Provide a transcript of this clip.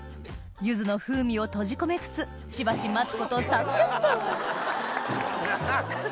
ゆずの風味を閉じ込めつつしばし待つこと３０分ハハっ！